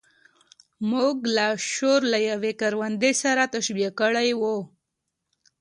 موږ لاشعور له يوې کروندې سره تشبيه کړی و.